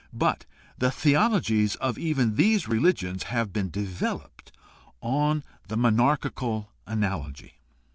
But the theologies of even these religions have been developed on the monarchical analogy.